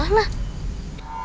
kalian tau dari mana